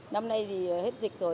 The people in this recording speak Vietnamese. năm nay thì hết dịch rồi